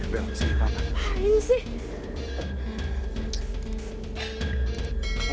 bel kesini apaan